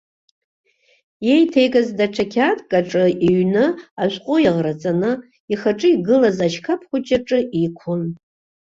Иеиҭеигаз даҽа қьаадк аҿы иҩны, ашәҟәы иаӷраҵаны, ихаҿы игылаз ашьқаԥ хәыҷ аҿы иқәын.